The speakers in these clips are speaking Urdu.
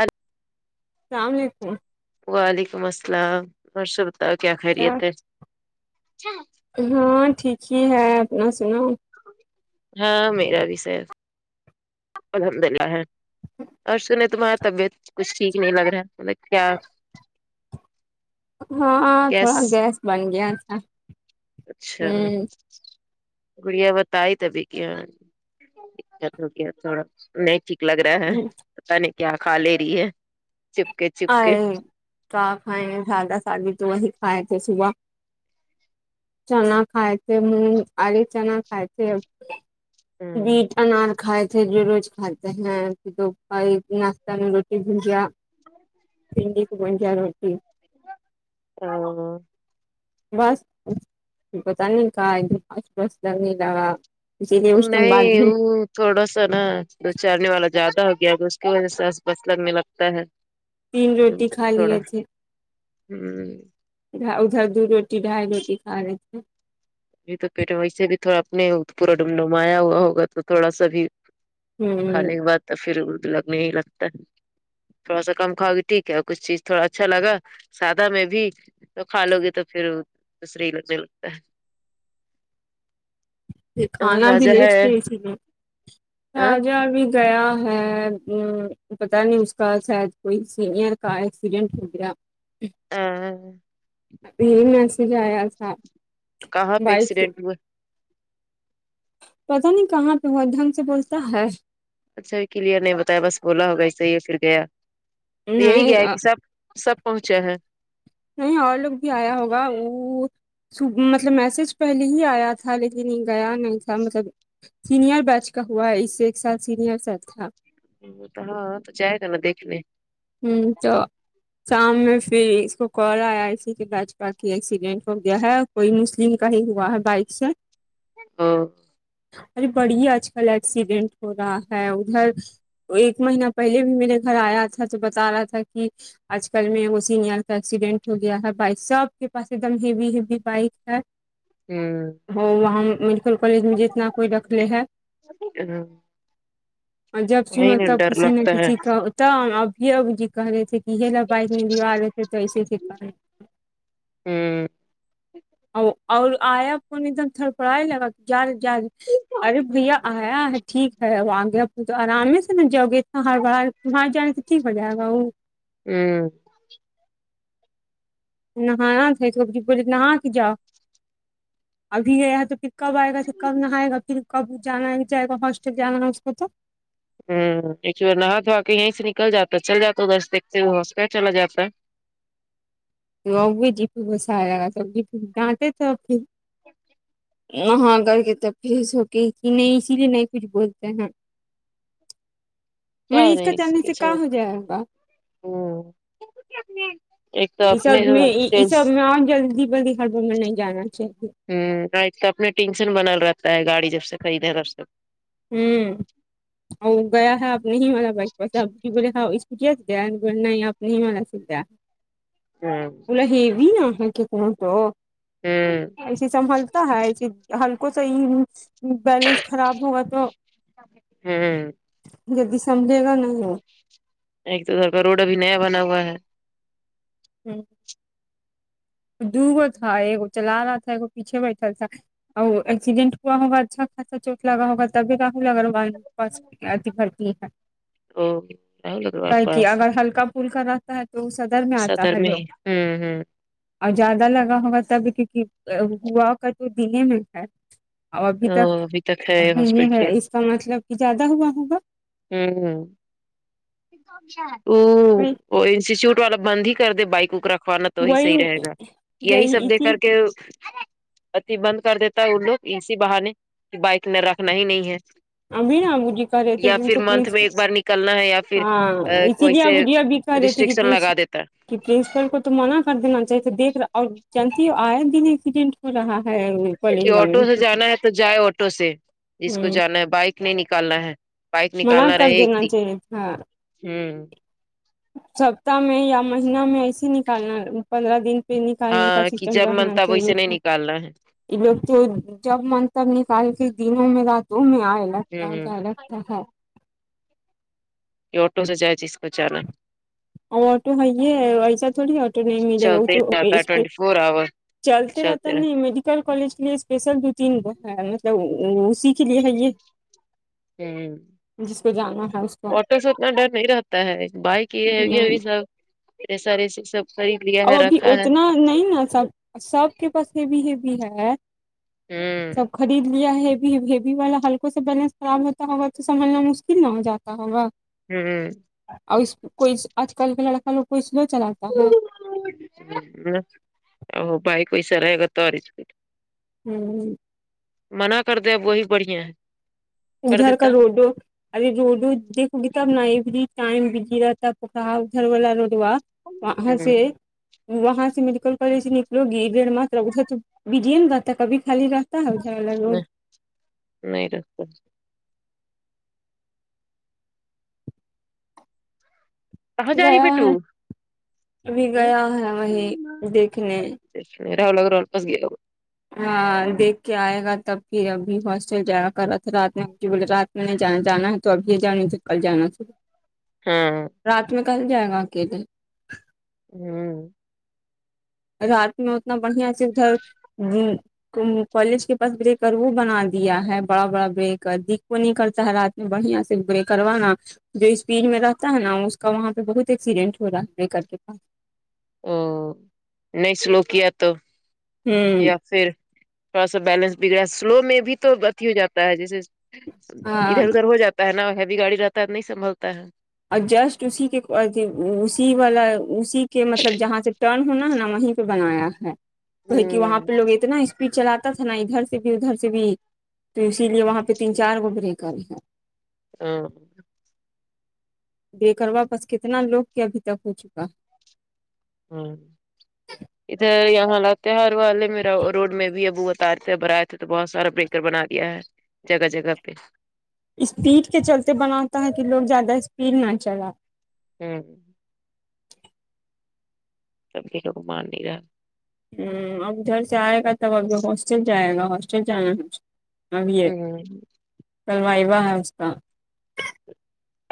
ال سلام علیکم وعلیکم السلام رشو بتاؤ کیا خیریت ہے ہاں ٹھیک ہی ہے اپنا سناو ہاں میرا بھی صحت الحمد للہ ہے اور سنے تمہارا طبیعت کچھ ٹھیک نہیں لگ رہا ہے مطلب کیا ہاں تھوڑا گیس بن گیا تھا اچھا ہوں گڑیا بتائی تبھی کیا دت ہو گیا تھوڑا نہیں ٹھیک لگ رہا ہے پتا نہیں کیا کھا لے رہی ہے چپ کے چپ آے کے کیا کھائے سادہ سادی تو وہی کھائے تھے صبح چنا کھائے تھے مونگ آے چنا کھائے تھے ہ بیٹ انار کھائے تھے جو روز کھاتے ہیں تو ناشہ میں روٹی بھجیا بھنڈی کی پنچا روٹی ہاں بس پتا نہیں کہا ایک د [unintelligible] پچ بس لگنے لگا اسی لیے اس کے بعد نہیں بھی وہ تھوڑا سا نا دو چارنے والا زیادہ ہو گیا کہ اس کی وجہ سے بصلگ میں لگتا ہے تین روٹی کھا تھوڑا لیے ہوں تھے ادھر دو روٹی ڈھائی روٹی کھا رہے تھ یہ تو پیٹ ویسے بھی تھوڑا اپنے پورا ڈڈمایا ہوا ہوگا تو تھوڑا سا بھی ہ کھانے کے بعد تو پھر تو لگنے ہی لگتا ہے تھوڑا سا کم کھاؤ گی ٹھیک ہے اور کچھ چیز تھوڑا اچھا لگا سادہ میں بھی تو کھا لو گے تو پھر دوسرے ہی لگنے لگتا ہے پھر ہے اور کھانا بھی راجا لیٹ ہے اسپیس ہی تھے ہاں ناگا بھی گیا ہے پتا نہیں اس کا شاید کوئی سینئر کا ایکسیڈینٹ ہو گیا [unintelligible] ہاں یہی میسج آیا تھا کہاں پہ بائک سے ایکسیڈینٹ ہوئے پتا نہیں کہاں پہ ہوا ڈھنگ سے بولتا ہے اچھا و کلیئر نہیں بتایا بس بولا ہوگا اسے ہی پھر گیا تو یہی نہیں گیا کہ سب سب پہنچے ہیں نہیں اور لوگ بھی آیا ہوگا وہ مطلب میسج پہلے ہی آیا تھا لیکن یہ گیا نہیں تھا مطلب سینئر بیچ کا ہوا ہے اس سے ایک سال سینئر سا تھا وہ تو ہاں تو جائے گا نا دیکھنے ہوں تو شام میں پھر اس کو کال آیا اسی کے بجپا کی ایکسیڈینٹ ہو گیا ہے کوئی مسلم کا ہی ہوا ہے بائک سے ہاں ارے بڑی آج کل ایکسیڈینٹ ہو رہا ہے ادھر وہ ایک مہینہ پہلے بھی میرے گھر آیا تھا تو بتا رہا تھا کہ آج کل میں وہ سینئر کا ایکسیڈینٹ ہو گیا ہے بھی ساب آپ کے پاس ایک دم ہیوی ہیوی بائک ہے ہوں ہو وہاں میڈیکل کالج میں جتنا کوئی رکھلے ہے ہ اور جب سنو وہی نا تب ڈر کسی نہ لگتا ہے کسی کا ت ابھی اب جی کہ رہے تھے کہ بائک نہیں لوا رہے تھے تو ایسے ایک بار [inaudible] ا اور آیا فون ایک دم تھوڑ پڑھائی لگا کہ گیارہ جا ارے بھیا آیا ہے ٹھیک ہے اں گے تو آرام سے نا جاؤ گے ہاں ہر بار باہر جانے سے ٹھیک ہو جائےگا وہ ہمم نہایا تھا تو [unintelligible] نہا کے جاؤ ابھی گیا تو پھر کب آئے گا پھر کب نھائیگا پھر کب جانا جائے گا ہاسٹل جانا نا اس کو تو ہمم ایک بار نہا دھوا کے یہیں سے نکل جاتا چل جا دس دیک سے وہ ہوسٹل چلا جاتا ہے [unintelligible] غصہ آیا تب بھی ڈانٹے تھے ابھی [inaudible] وہاں کر کے تب فیس ہو تی نہیں اسی لیے نہیں کچھ بولتے ہیں [inaudible] کیا منیش کا جاننے سے کا ہو جائے گا ہمم اس سب میں اس سب میں اور جلدی بلدی ہڑبڑ میں نہیں جانا چاہی ہمم ایک تو اپنے ینشن بنل رہتا ہے گاڑی جب سے خریدیں تب سے ہممم اور گیا ہے آپ نے ہمارا بائک پس آپ بولے اسکوٹیا سے دیانہیں آپ نے ہمارا س دیا ج [inaudible] [unintelligible] ہوں ایسے سنبھلتا ہے ایسی ہمکو سا ہی بیلنس خراب ہوگا تو ہمم جلدی سمجھیگا نہیں وہ ایک تو ادھر کا روڈ ابھی نیا بنا ہوا ہے ہمم دو گو تھا ایک چلا رہا تھا ایک پیچھے بیٹھا تھا ا ایکسیڈنٹ ہوا ہوگا اچھا خاصہ چوٹ لگا ہوگا تب [unintelligible] بس اتی بھرتی تو راہل اگروال ہےکی پاس اگر ہلکا پھولکا رہتا ہے تو سدر صدر میں ہی ہمم ہمم اور زیادہ لگا ہوگا تب کیونکہ ہوا کر تو دن میں ہے اور ابھی ا تک ابھی ہے یہ ہے ہاسپٹل اس کا مطلب کہ زیادہ ہوا ہوگا ہمم ہمم ا وہ انسٹیٹیوٹ والا بند ہی کر دے بائک کوکرا خوانا توہی وہی صحیح رہے گا یہی سب دیکھ کر کے ات بند کر دیتا ہے ان لوگ اسی بہانے کہ بائک میں رکھنا ہی نہیں ہے ابھی ن ابو جی کر رہے تھے کہ تو پلیز کرنا ہے یا پھر ہاں اسی لیے ابو ویسے جی کہہ رہے تھے کہ ریسٹرکشن پلیز لگا دیتا کہ پرنسپل کو تو منع کر دینا چاہی تو دیک رہا اور جلتی آیا دن ایکسیڈینٹ ہو رہا ہے کہ کالج آٹو والے سے جانا ہے تو جائے آٹو سے جس کو ہوں جانا ہے بائک نہیں نکالنا ہے بائک نکالنا رہے ایک دن ہاں سپتہ میں یا مہینہ میں ایسے نکالنا پندرہ دن پہ نکالنے کا ہاں کہ سسٹم جب من رہنا تب چاہیے ویسے نہیں تھا نکالنا ہے وہ تو جب من کرتا ہے نکال کےدنوں میں راتوں میں ائے لگتا ہے ہوں کیا لگتا ہے یہ آٹو سےجائے جس کو جانا اور آٹو ہے یہ ایسا تھوڑی آٹو نہیں ملے گا وہ چلتے تو رہتا ہے اس پے ٹوینٹی فور اوور چلتے رہتا نہیں میڈ ل کالج کے لیے اسپیشل دو تین مطلب اسی کے لیے ہے یہ رہتے ہوں جس کو جانا ہے اس کو آٹو سے اتنا ڈر نہیں رہتا ہے بائک یہ ہے سب اتنے سارے یہ سب خرید لیا اب ہے ابھی رکھا ہے اتنا نہیں نا سب سب کے پاس ہیوی ہیوی ہے ہوں سب خرید لیا ہے ہیبی والا ہلکوں س بیلنس خراب ہوتا ہوگا تو سنبھلنا مشکل نہ ہو جاتا ہوگا ہوں اور اس کوئی آج کل کا لڑکا لوگ کو اسلئے چلاتا ہے ا بائیک ویسا رہے گا تو اور سپیڈ ہوں ہوں منع کر دے اب وہی بڑھیا ہے کر ادھر کا دیتا روڈو ارے روڈو دیکھ گے تو نہیں ایوری ٹائم بجی رہاتا پکا ادھر والا روڈوا وہاں سے ہوں وہاں سے میڈیکل کالج نکلو گی ڈڑ م تو بڈیے ن گاتا کبھی خالی رہتا تا ہے اجلا روڈ نہیں روڈ پر کہاں جا رہی گیا بیٹو ہے ابھی ہوں گیا ہے وہیں دیکھنے میرا الگ رو واپس گیا وہ ہاں دیکھ کے آئے گا تب پھر ابھی ہاسٹل جائے گا کر رات میں بولے رات نہیں جا جانا ہے تو اب یہ جا نہیں تو کل جانا تو ہاں رات میں کہاں جائے گا اکیلے ہوں رات میں اتنا بڑھیا سے ادھر جی کالج کے پاس بریکر وہ بنا دیا ہے بڑا بڑا بریکر دکھ کو نہیں کرتا ہے رات بڑھیا سے بریکر وا نا جو اسپیڈ میں رہتا ہے نا اس کا وہاں پہ بہت ایکسیڈنٹ ہو رہا ہے بریکر کے پاس ا نہیں سلو کیا تو یا پھر تھوڑا سا بیلنس بگڑا ہے سلو میں بھی تو اھی ہو جاتا ہے جیسے ہاں ادھر ادھر ہو جاتا تا ہے نا ہیوی گاڑی رہتا ہے نہیں سنبھلتا ہے اور جسٹ اسی کے اسی والا اسی کے مطلب جہاں سے ٹرن ہونا ہے نا وہیں بنایا ہے کہ کہ وہاں ہوں پہ لوگ اتنا اسپیڈ چلاتے تھا نا ادھر سے بھی ادھر سے بھی تو اسی لیے وہاں پہ تین چار بریکر ہیں اں بریکروا پاس کتنا لوگ کے ابھی تک ہو چکا ہاں ادھر یہاں لاتے ہے ہر والے میرا روڈ میں بھی اب وہ اترتے تھے ابر آئے تھے تو بہت سارا بریکر بنا دیا ہے جگہ جگہ پہ اسپیڈ کے چلتے بناتا ہے کہ لوگ زیادہ اسپیڈ نہ چلا ہوں سبھی لوگ مان نہیں رہا ہ اب ادھر سے آئے گا تب اب ہاسٹل جائے گا ہاسٹل جانا اب یہ ہوں کل وائوہ ہے اس کا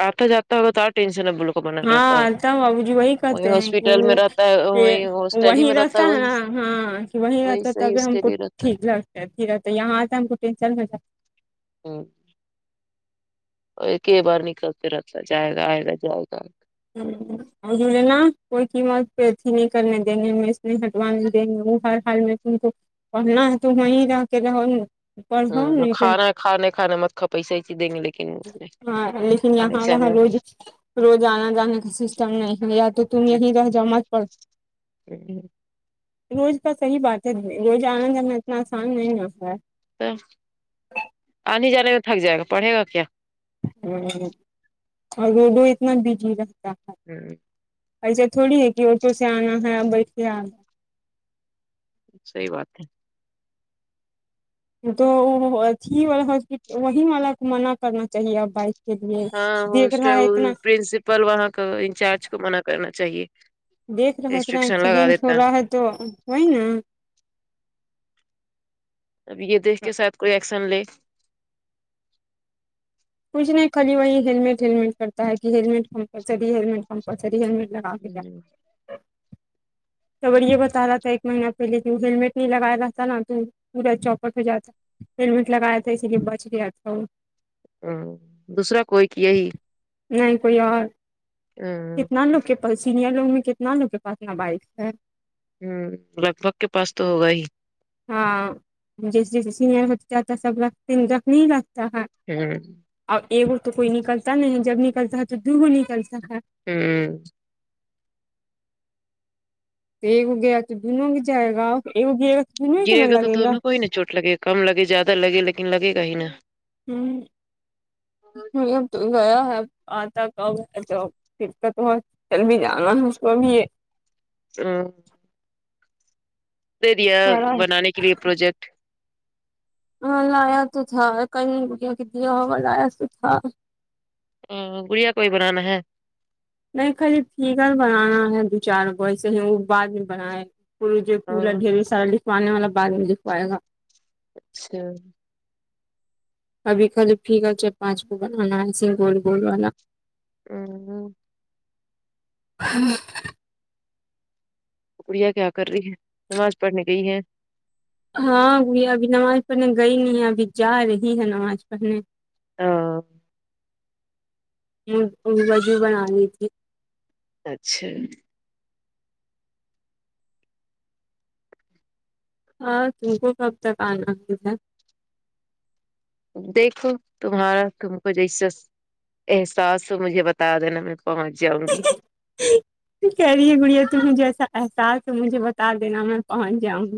آتا جاتا ہو تو آپ ٹینشن نکولو ہاں تب بو جی وہی کہتے ہیں ہاسپٹل میں رہتا ہے کہ وہی ہاسٹل ہی وہی میں رہتا تا وہی ہے ہاں کہ وہی رہتا تب صحیح ہی اس ہم کے کو لیے رہتا ہے ٹھیک لگتا رہتا ہے کہ یہاں آتا ہے ہمکو ٹینشن ہو جات ہاں اور کئی بار نکلتے رہتا جائے گا آئے گا جائے گا ہوں اور جڑے نا کوئی قیمت پہ اچھی نہیں کرنے دیں گے مز نہیں ہٹوانے دیں رہی وہ ہر حال میں انکو اور نا تو وہیں جاکے رہو گی ہ کھانا کھانا کھانا مت کھا پیسہ ہی دیں گے لیکن [unintelligible] روزانہ سسٹم نہیں ہے یا تو تم یہی رہ جاو مت پر روز کا صحیح بات ہے روز آنا جانا میں اتنا آسان نہیں ہوتا ہے تو آنے جانے میں تھک جائے گا پڑھے گا کیا ہ اور روڈو اتنا بجی رہتا ہے جی ایسے تھوڑی ہے کہ آٹو سے آنا ہے یا بیٹھ کے آنا صحیح بات ہے تو اھی والا ہسپٹ وہی والا منع کرنا چاہیے اب بائک کے لیے ہاں دیکھ رہا ہوسٹل ہے اتنا پرنسپل وہاں کا انچارج کو منع کرنا چاہیے دیکھ رہے تھے ریسٹرکشن لگا ایکسیڈینٹ ہو دیتا رہا ہے تو وہی نا ابھی یہ دیکھ کے شاید کوئی ایکشن لے کچھ نہیں خالی وہی ہیللمٹ ہیللمٹ کرتا ہے کہ ہیٹ کمپلسری ہیللمٹ کمپلسری ہیللمیٹ لگا کے کیا تو اگر یہ بتا رہا تھا ایک مہینہ پہلے کہ ہیللمٹ نہیں لگایا رہا تھا نا تو پورا چوپٹ ہو جاتا ہیلمٹ لگایا تھا اسی لی بچ گیا تھا وہ ہ دوسرا کوئی کہی نہیں کوئی اور ہوں کتنا لوگ کے سینئر لوگ میں کتنا لوگ کے پاس نا بائک ہے ہوں لگھ بھگ کے پاس تو ہوگا ہی ہاں جیسے جیسے سینئر ہو تے جاتا سب رکھتے رکھنے ہی لگتا ہے ہوں اب اگو تو کوئی نکلتا نہیں جب نکلتا ہے تو دوگو نکلتا ہے ہوں ایک وہ گیا تو دونوں بھی جائے گا ایک گیا تو دونوں ہی گرے نہ گا تو لگے دونوں کو ہی نا چوٹ لگے کم لگے جیادہ لگے لیکن لگے گا ہی نا ہ اب تو گیا ہے آتا کب ہے تو اب پک تو بہ چل بھی جانا ہے اس کو بھی یہ ام دے دیا کرا ہے بنانے کے لیے پروجیکٹ ہاں لایا تو تھا کئی بیا کے دیا ہوگا لایا تو تھا ہ گڑیا کو ہی بنا نا ہے نہیں خالی فیگر بنانا ہے دو چار وں کو ایسے ہی وہ بعد میں بنائے پ پھول ہاں ڈھیر سارا لکھوانے والا بارے میں لکھوائے گا اچھا ابھی کل پھیکا چار پانچ کو بنانا ایسے گول گول والا ا ہوں ہا گڑیا کیا کر رہی ہے نماز پڑھنے گئی ہے ہاں وہ ابھی نماز پڑھنے گئی نہیں ہے ابھی جا رہی ہے نماز پڑھنے آ م وضو بنارہی تھی اچھا ہاں تم کو کب تک آنا ہی ہے دیکھو تمہارا تم کو جیسا احساس ہو مجھے بتا دینا میر پہنچ جاؤں گی ہ کہہ رہی ہے گڑیا تمہیں جیسا احساس ہو مجھے بتا دینا میں پہنچ جاؤں گی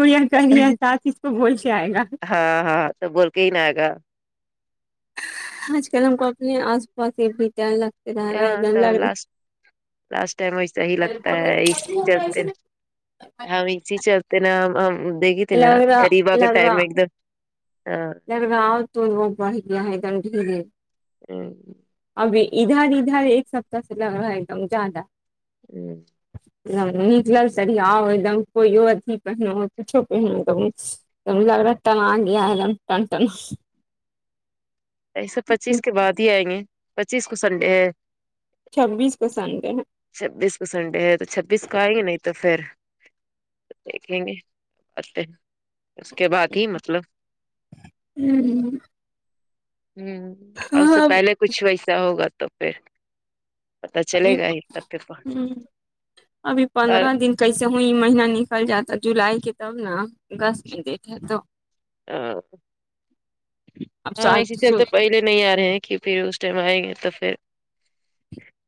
گڑیا کہہ رہی ا حساس اس کو ہو ہی گیا ہے نہ ہاں ہاں تو بول کے ہی نا گا آج کل ہم کو اپنے آس پاس ایک بھیتا لگتے رہ ہاں دن تو لڑ نا لاسٹ لاسٹ ٹائم ویسا ہی لگتا ہے اے سی چلتین ہم اے سی چل تے نا دیکھی تھی نا لگ رہا ریبا کا ٹائم ایک دم ہاں گاؤ تو بڑیا ہے گندی کے لیے ہمم ابھی ادھر ادھر ایک سپتہ سے لگا ہے ایک کم زیادہ ہ [unintelligible] نکلا کہی اور ٹن ٹنا پیسے پچیس کے بعد ہی آئیں گے پچیس کو سنڈے ہے چھبیس کو سنڈے ہے چھبیس کو سنڈے ہے تو چھبیس کو آئیں گے نہیں تو فر دیکھیں گے تے اس کے بعد ہی مطلب ہوں ہ ہوں اور اس سے پہلے کچھ ویسا ہوگا تو پھر پتا ابھی چلے گا ہی تب پہ پہنچ ہ ابھی اور پندرا دن کیسے ہو یہ مہینہ نکل جاتا جولائی کے تب نا اگست میں دیٹ ہے تو ہ اب ہاں اسی چلتے پہلے نہیں آ رہے ہیں کی پھر اس ٹائم آئیں گے تو پھر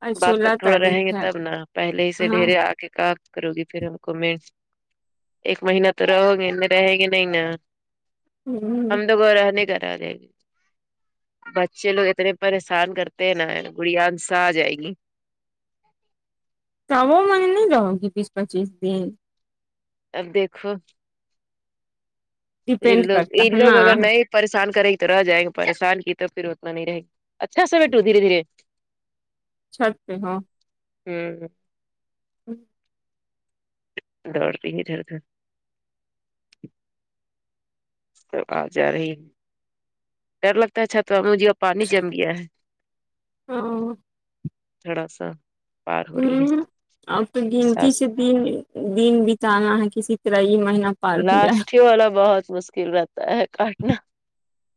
آج بات تک سولہ تھوڑا رہیں گے تاریخ ہے تب نا پہلے ہی سے ہاں ڈھیر آ کے کام کرو گی پھر ہم کو م ایک مہینہ تو رہو گے رہیں گے نہیں نا ہوں ہم توگ رہ نہیں کرا دے گے بچے لوگ اتنے پریشان کرتے ہیں نا گڑیاانسا آ جائے گی تو وہ م نہیں لو جاؤ گی بیس پچیس دن اب دیکھو ڈپینڈ انلوگ کرتا ہے انکوگ نا اگر نئی پریشان کریں گی تو رہ جائیں گے پریشان کی تو پھر اتنا نہیں رہے گی اچھا سا بیٹوں دھیرے دھیرے چھٹ پے ہاں ہوں ہوں دوڑتیی ادھر تو تب آ جا رہی ہے ڈر لگتا ہے چھتوا مجھے اور پانی جم گیا ہے ہوں تھوڑا سا پار ہو رہی ہے ہوں اب تو گنتی احساس سے دن دن بتانا کسی طرح یہ مہینہ پار ہو جائے لاسٹ ہی والا بہت مشکل رہتا ہے کاٹنا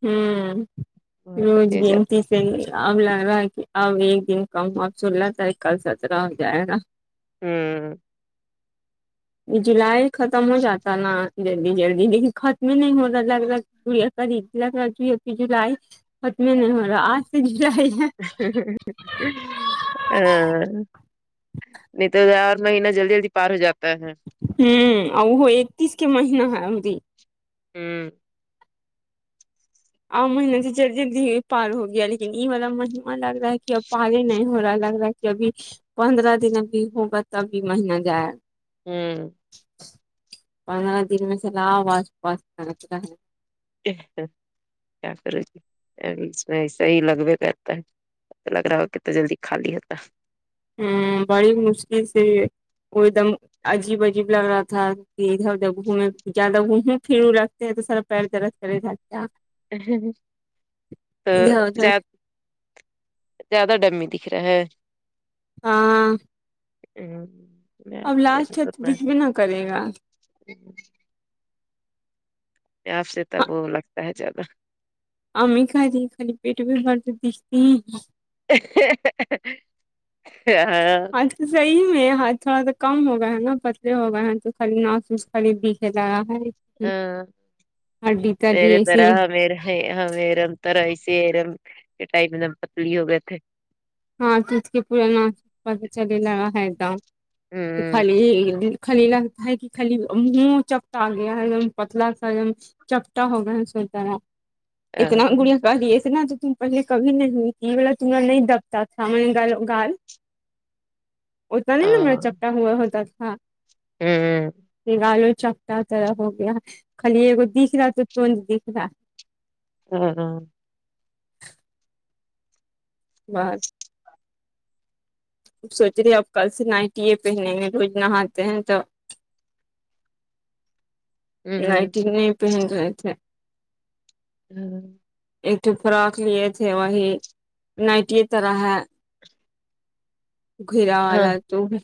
ہاں بہت روز تیز جاتا گنتی ہے یہی اب لگ رہا ہے کہ اب ایک دن کم اب سولہ تھا کل سترہ ہو جائے گا ہوں جولائی ختم ہو جاتا نا جلدی جلدی لیکن ختم نہیں ہو رہتا لگرا چوریا قری لگرا کی ابھی جولائی ختم نہیں ہو رہا آج جاہے آ نہیں تو یار مہینہ جلدی جلدی پار ہو جاتا ہے ہوں اور وہ اکتیس کے مہینہ ہے ہمری ہوں ا مہیننے سے جل جلد پار ہو گیا لیکن یہ والا مہینہ لگ رہا کہ اب پارے نہیں ہو رہا لگ رہا ہے جبھی پندرہ دن ابھی ہوگا تب بھی مہینہ جائے ہوں پندرہ دن میں سے نہ [unintelligible] کیا ہے کیا کر رہی تھی یہ اس میں ایسے ہی لگوے رہتا ہے لگ رہا ہو کتنا جلدی خالی ہوتا ہوں بڑی مشکل سے وہ ایک دم عجیب عجیب لگ رہا تھا ادھر ادھر گھومے زیادہ گھومے پھر یوں رکھتے ہیں تو سارا پیر درد کرے جاتا تو ادھر ادھر زیاد زیادہ ڈمی دکھ رہا ہے ہاں ہوں اب لاسٹ ہے تو دکھ بھی نہ کرے گا [unintelligible] آپ سے تب وہ لگتا ہے زیادہ امی کھرہی خالی پیٹ بھی برد دکھتی ہیں ہاں آج صحیح میں ہاں تھوڑا سا کم ہو گیا ہے نا پتلے ہو گئے ہیں تو خالی ناس ووس خری دکھے لگا ہے اں ہڈی تڈی میرے ایسی طرح میرے ہم ایرم تور ایسے ارم کے ٹائم ایک دم پتلی ہو گئے تھے ہاں چس کے پورانا پتہ چل لا ہے ایک دم خالی خالی لگتا ہے کہ خالی منہ چپتا آ گیا ہے پتلا سا ایم چپٹا ہوگیا سو طرح اتنا گڑیاں کاریی اتنا تو تم پہلے کبھی نہیں ہوئی تھی ب تمہنے نہیں دب تا تھامے نکالو گال اتنا نہیں نا میرا چپٹا ہوا ہوتا تھا ہوں ہوں الو چپٹا طرح ہو گیا خالی دکھ رہا تو توند دکھ رہا [unintelligible] بس اب سوچ رہی اب کل سے نائٹیاں پہن گے روز نہاتے ہیں تو نائٹی نہیں پہن رہے تھے [unintelligible] ایک تو فراک لیے تھے وہی نائٹی طرح ہے گھرا ہاں والا تو ہے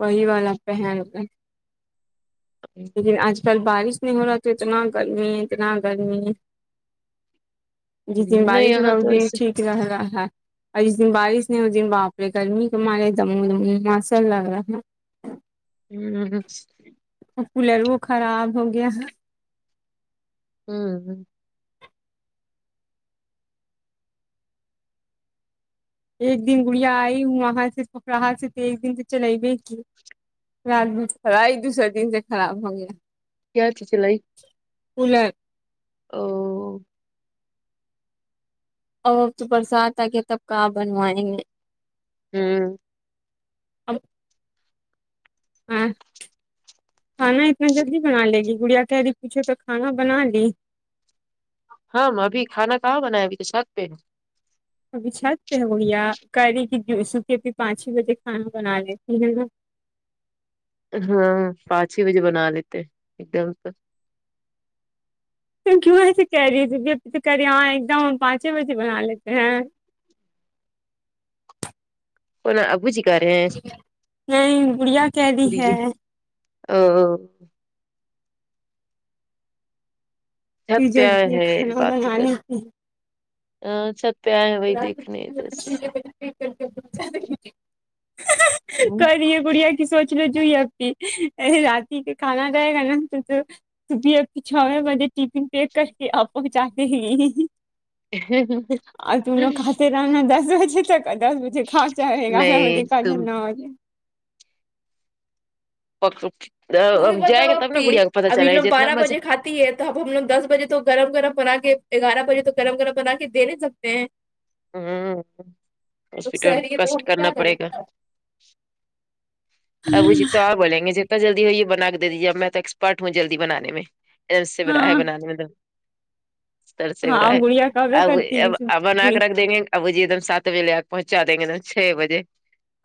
وہی والا پہن رے لیکن آج کل بارش نہیں ہو رہا تو اتنا گرمی اتنا گرمی جس دن نہیں بارش یہاں تھوڑی رہوگی سی ٹھیک ره رہا ہے اور جس دن بارش نہیں اس دن باپرے گرمی کی مارے دم میں دم موسم لگ رہا ہے ہلو ہوں ہوں ہوں ہوں کولر وہ خراب ہو گیا ہے ہوں ہوں ایک دن گڑیا آئی ہوں وہاں سے پکراہا سے ایک دن تو چلے گی تھی رات بھر چلائی دوسرے دن یہ خراب ہوگیا کیا اچھی چلائی کولر ا وہ اور اب تو برسات آ گیا تب کہاں بنوائیں گے ہوں اب ہاں کھانا اتنا جلدی بنا لے گی گڑیا کہہ رہی پوچھے تو کھانا بنا لی ہاں ابھی کھانا کہاں بنا ہے ابھی تو چھت پہ ابھی چھت پہ ہویا کیری کی جو سوکے بھی پانچ چھ بجے کھانا بنا لیتی ہیں نا ہاں پانچ چھ بجے بنا لیتے ایک دم سے ت کیوں ایسے کہہ رہی ہو دیدی کہہ رہی ہاں ایک دم پانچ چھ بجے بنا لیتے ہیں اور ابو جی کہہ رہے ہیں نہیں گڑھیا کہہ رہی ہے اں اں چھت کہ پہ اے جلدی ہے کھانا بات ہی بنانے کریں ا چھت پہ اہے وہی دیکھنے دس [unintelligible] ک رہی ہے کڑیا سوچ لے جو یہ ا پی اہے اتی کے کھانا جائے گا نا تو تو تو بھی اپ کی چھاو ہے بجے ٹفن پیک کر کے آپ کو پہنچاتے ہیں ہ ہ ہ اور لوگ کھاتے رہنا دس بجے تک دس بجے کھچاہ گیارہ بجے کھاتے تم نا آج تم اب بھی جائیں بتاؤ گے تب نا گڑیا کو پتا چلے گا جتنا مزہ تی ہے تو اب ہم لوگ دس بجے تو گرم گرم بنا کے گیارہ بجے تو گرم گرم بنا کے دے نہیں سکتے ہیں ہاں لوگ ہاسپٹل شہری ہے تو کسٹ ہم کرنا کیا کریں پڑے گا ابو جی تب بولیں گے جتا جلدی ہوئی یہ بنا کے دے دیجئے میں تو ایکسپرٹ ہوں جلدی بنانے میں ایسے بنا ہے ہاں بنانے میں تو دستر سے اب رہا ہاں گڑیا ہے کبے اب کرتی اب اب بنا ہے کے رکھ دیں گے اب وہ جی ایک دم سات بجے لے آ کے پہنچا دیں گے تو چھ بجے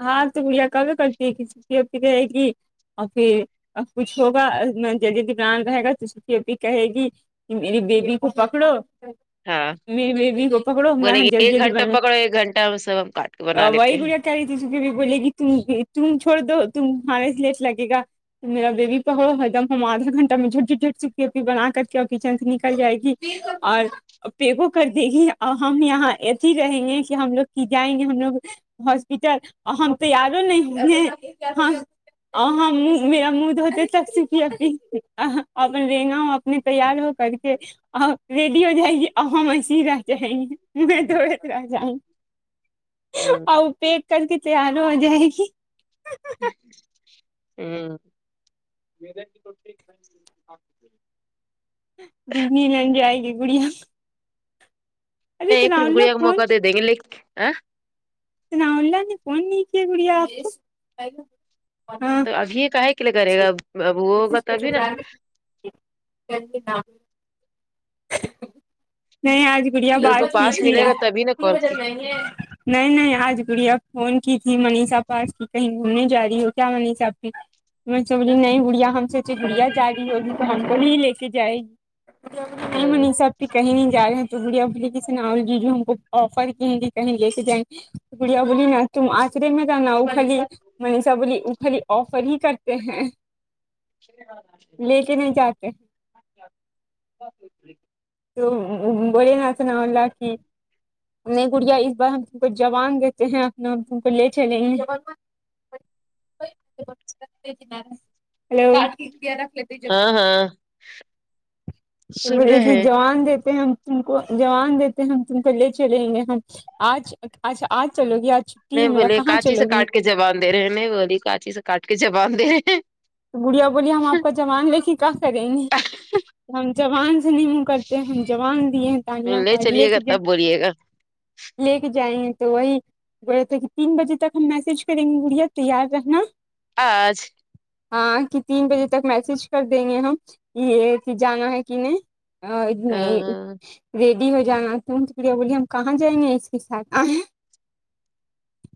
ہاں تم یہ کرو [inaudible] کرتی ہے کٹی رہے گی اور پھر اب کچھ ہوگا جگہ بلان رہے گا تو ابھی کہے گی میری بے بی کو پکڑو ہاں میری بیبی کو پکڑو میں بولیں گے جلدی ایک جلدی گھنٹہ پکڑو بنلیتی ایک گھنٹہ ہم سب ہم کاٹ کے بنا [inaudible] لیتے وائی ہیں گڑیا کہ رہی تھی [unintelligible] بولیگی ت تم چھوڑ دو تم ہمار سے لیٹ لگے گا میرا بیبی پہڑو ایک دم ہم آدا گھنٹہ میں جھٹ جھٹ بنا کر کے اور کچن سے نکل جائے گی اور اب دیکھو کر دے گی اور ہم یہاں ایسی ہی رہیں گے کہ ہم لوگ کی جائیں گے ہم لوگ ہاسپٹل ہم تو یارو نہیں ہے ا ہم میرا منہ دھوتے [unintelligible] نے تیار ہو کر کے اور ریڈیو جائے گی اب ہم ایسےہی رہتے ہے [unintelligible] ہوں پیٹ کر کے تیار ہو جائے گی ام دزنی لینڈ جائے گی گڑیا ارے نہیں ثناء پھر وہ اللہ گڑیا کو فون موقع دے دیں گے لیک آ اتنا آنلاین تھی فون نہیں کیا گڑیا اپ کو ہاں تو ابھی کاھے کے لگا رہے گا اب تو ابھی نا نا نہیں آج گڑیا اس کو بات کی پاس تھی ملے گا تبھی نا کال کی نہیں نہیں آج گڑیا فون کی تھی منیشا پاس کی کہیں گھومنے جا رہی ہو کیا منیشا کی میں سمجھیی نہیں گڑیا ہم سوچے گڑیا جا رہی ہوگی تو ہم کو نہیں لے کے جائے نہیں مانی سب پھر کہیں نہیں جا رہے ہیں تو بڑیا ابلی کی سناولی جو ہم کو آفر کییں گے کہیں لے کے جائیں گے گڑیا بولی نا تم آچرے میں جانا ہو خالی منیشا بولی اوپلی آفر ہی کرتے ہیں لے کے نہیں جاتے ہیں [inaudible] تو بولے نا سنا اللہ کہ نہیں گڑیا اس بار ہم کچھ جوان دیتے ہیں اپنا اپ ان کو لے چلیں ہیلو ہاں ہاں سن بڑے رہے ہی ہیں جوان دیتے ہیں ہم تم کو جوان دیتے ہیں ہم تم کو لے چلیں گے ہم آج اچھا آج چلو گی آج چھٹی ہے میرا کہاں چلو گی جبان دے رہے ہیں نہ والی کاچیز کاٹ کے جبان دے رہے ہیں گڑیا بولی ہم آپ کا زبان لے کے کیا کریں گے ہم زبان سے نہیں م کرتے ہیں جبان دیے ہیں تانیا ملنے پر لے چلیے گا کے جائے تب بولیے گا لے کے جائیں گے تو وہی بولتے کہ تین بجے تک ہم میسج کریں گے گڑیا تیار رہنا آج ہاں کہ تین بجے تک میسج کر دیں گے ہم یہ کی جانا ہے کہ نہیں آج نہیں ا ریڈی ہو جانا تم تو گڑیا بولی ہم کہاں جائیں گے اس کے ساتھ آہے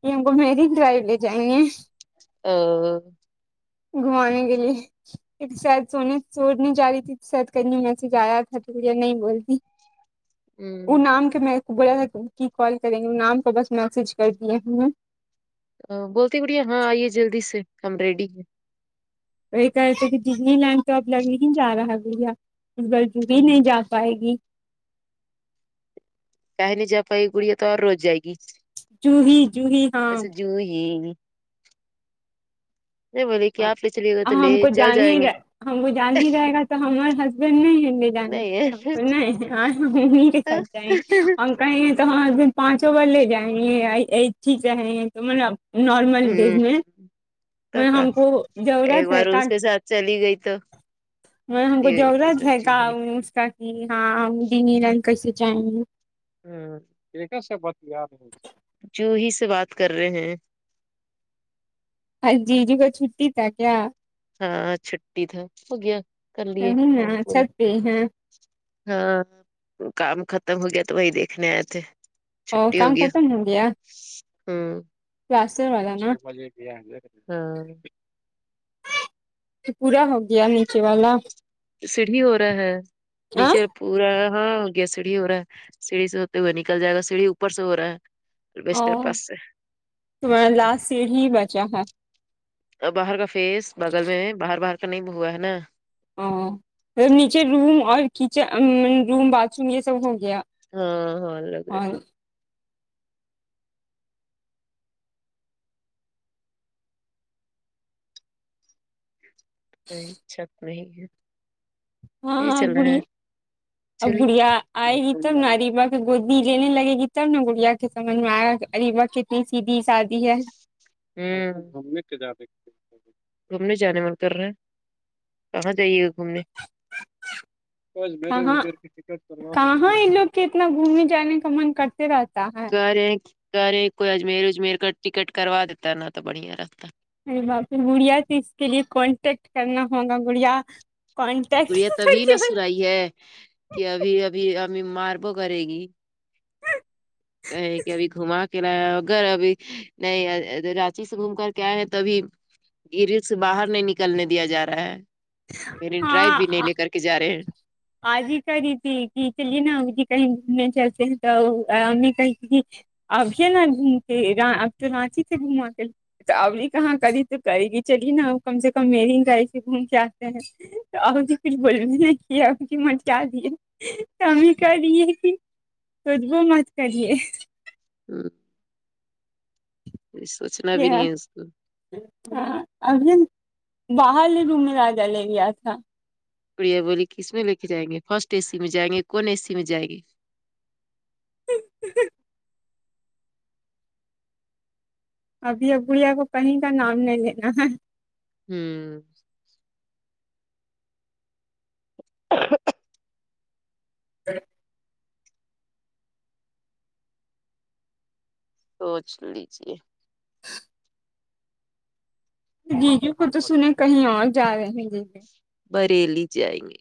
یہ ہم کو میری ڈرائیو لے جائیں گے آ گھومانے کے لیے ایک شاید سونے سورنے جا رہی تھی تو شاید کرنی مسیج آیا تھا تو بڑیا نہیں بولتی ان آنکھ میں بولا تھا کی کال کریں گے نام کو بس میسج کر دئیے ہیں بولتی بڑھیا ہاں یہ جلدی سے ہم ریڈی ہیں [unintelligible] کہے رہے تھے کی ڈزنی کاہے لینڈ پائے گی کا ہے جب کہے گڑیا تو اور روز جائے گی جوہی جوہی ویسے ہاں جوہی بولے کہ آپ لے چلیے گا تو لے ہم کو چل جان ہی جائیں گے رہے ہم کو جان ہی رہے گا تو ہم اور ہسب [unintelligible] کیا کرنا ہے آج ہم انہی کے ساتھ جائیں اور کہے یہ تو ہمارے دن پاچوں بار [unintelligible] نارمل ڈیز ہمم میں میں تو ہم کو ایک ضرورت ہے بار کا اس کے ساتھ چلی گئی تو نہیں ہم کو کس ضرورت بار ہے کا چوہی نے وہ اسکا کہ ہاں ہم ڈینی لال کیسے جائیں گے جوہی سے بات کر رہے ہیں ہاں جیجی کو چھٹی تھا کیا ہاں چھٹی تھا ہو گیا کر لیے کہے نا کام پورا چھٹی ہے ہاں کام ختم ہو گیا تو وہی دیکھنے آئے تھے اور چھٹی کام ہوگیا ختم ہوں راسے والا نا ہاں پورا ہو گیا نیچے والا سیڑھی ہو رہا ہے ا نیچے پورا ہاں ہو گیا سیڑھی ہو رہا ہے سیڑھی سے ہوتے ہوئے نکل جائے گا سیڑھی اوپر سے ہو رہا ہے البیسٹر اور پاس سے تمہارا لاسٹ سیڑھی بچا ہے اور باہر کا فیس بگل میں باہر باہر کا نہیں ہوا ہے نا او فر نیچے روم اور کچن روم باتھ روم یہ سب ہو گیا ہاں ہاں لگا رے اور کوئی چھت نہیں ہے ہاں یہ ہاں چل رہا بوڑی ہے اب چلیے بڑھیا آئے گی تب اریبہ گودی لینے لگے گی تب نا بڑھیا کے سمجھ میں آیا اریبہ کتنی سیدھی سادی ہے ہوں لیے۔ گھومنے جانے من کر رہا ہیں کہاں جائیے گا گھومنے کہاں کہاں یہ لوگ کے اتنا گھومنے جانے کا من کرتے رہتا ہے کریں کر رے کوئی اجمیر وجمیر کر ٹکٹ کروا دیتا نہ تو بڑھیا رہتا ارے باپ رے بڑھیا سے اس کے لیے کانٹیکٹ کرنا ہوگا گڑیا کونٹکٹ ہی کرکے [unintelligible] آئی ہے کے ابھی ابھی ابھی ماربو کرے گی کہیں کہ ابھی گھوما کے لایا اگر ابھی نہیں رانچی سے گھوم کر کے آئے ہیں تبھی ایریے سے باہر نہیں نکلنے دیا جا رہا ہے میرین ڈرائیو بھی ہاں نہیں لے کر کے جا رہے ہیں آج ہی کری تھی کی چلیے نا کہیں گھومنے چلتے ہیں تو ہمیں کہی ابھی نا گھوم کے اب تو رانچی تھے گھما کے تو ابھی کہاں کری تو کرےگی چلیے نہ کام سے کم ویرنگ کا ایک گھوم کے تے ہیں [inaudible] کم کریے کہ خودبو مت کریے کچھ سوچنا بھی نہیں ہے اس کو ہاں اب باہر ل ر میں راجا لے لیا تھا گڑیا بولی کس میں لے کے جائیں گے فرسٹ اے سی میں جائیں گے کون اے سی میں جا ئیں گے ابھی ا بڑیا کو کہیں کا نام نہیں لینا ہے ہوں توچ لیجیے جیجو کو تو سنے کہیں اج جا رہے ہیں جی بریلی جائیں گے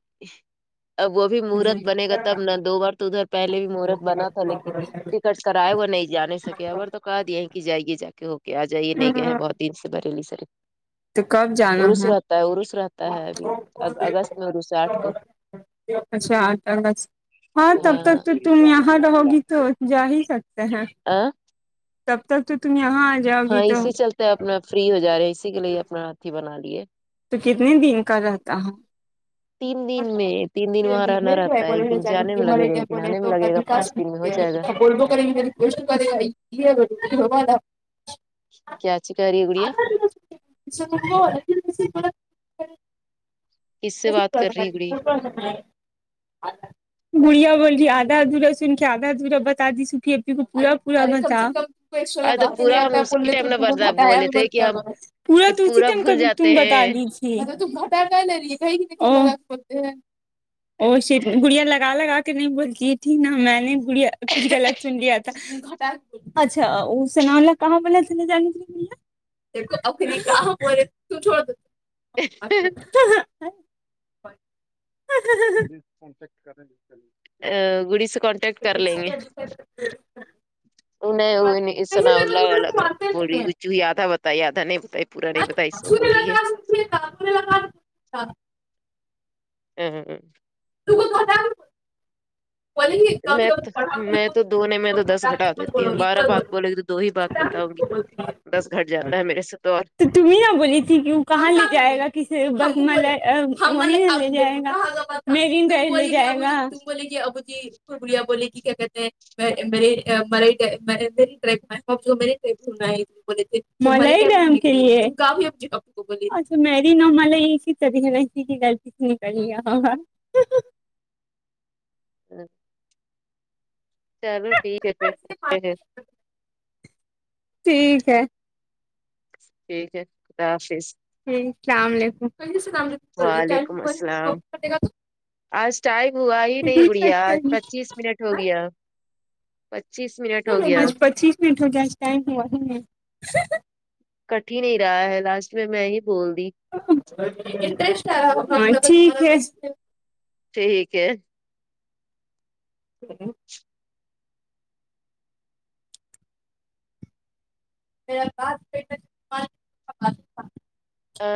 اب وہ بھی مہورت بنے گا تب نہ دو بار تو ادھر پہلے بھی مہورت بنا تھا لیکن ٹکٹ کرائے ہوا نہیں جا نہیں سکے اگر تو کہہ دی ہیں کہ جائیے جا کے ہوکے آ جائیے نہیں گئے ہیں جیجو بہت دن سے بریلی صہر تو کب جانا ہے عرس رہتا ہے ابھی اگست میں عرس آٹھ کو اچھا آٹھ کالج ہاں تب تک تو تم یہاں رہو گی تو جا ہی سکتے ہیں تب تک تو تم یہاں آ جاؤ ہاں گی تو اسی چلتے اپنا فری ہو جا رہے ہیں اسی کے لیے اپنا ہا تھی بنا لیے تو کتنے دن کا رہتا ہے تین دن میں تین دن وہاں رہنا رہتا ہے ایک دن جانے میں لگے گا ایک دن آنے میں لگے گا [unintelligible] پانچ دن میں ہو جائے گا [unintelligible] کیا چکاری گڑیا نا [unintelligible] کس سے بات کر رہی گڑی [unintelligible] بڑھیا بول رہی آدھا ا دھورا سن کے آدھا ادھورا بتا دی سکی ا کو پورا پورا مزہ ارے تو پورا ہم اسی ٹائم نہ بردا بولے تھے کہ ہم کہ پورا بھول [unintelligible] تم جاتے ہیں بتادی [unintelligible] اوشیٹ گڑیا لگا لگا کے نہیں بولتی تھی نا میں نے گڑ یا کچھ غلط سن لیا تھا اچھا [unintelligible] [unintelligible] ہہ ه گڑی سے کون دو نہیں انہیں ایسی سنا جگہ اللہ پر وال اس کو مانتے نہیں بولییادھا بتائی آدھا نہیں بتائی پورا نہیں بتائی اس سے بول رہی ہے [unintelligible] ا ہا ا تو تو ختم میں ت میں دھونے میں تو دس بڑھا گھٹا کے مت دیتی ہوں بولو گے بارہ بولو بات بو لے گی تو دو ہی بات بتاؤں گی گے دس گھٹ جاتا ہے میرے سے تو اور تو تم ہی نہ بولی تھی کہ وہ کہاں لے جائے گا کس [unintelligible] لے جائے گا [unintelligible] لیے آۓ گا [unintelligible] [unintelligible] [unintelligible] ا چلو ٹھیک ہے پھر رکھتے ہیں ٹھیک ہے ٹھیک ہے خدا حافظ ہیلو اسلام وعلیکم السلام علیکم آج ٹائم ہوا ہی نہیں ٹھیک ہے گڑیا آج چلیے پچیس منٹ ہو گیا پچیس منٹ ہو گیا آج پچیس منٹ ہو گیاآج ٹائم ہوا ہی نہیں کٹ ہی نہیں رہا ہے لاسٹ میں میں ہی بول دی ہاں ٹھیک ہے ٹھیک ہے [unintelligible] آ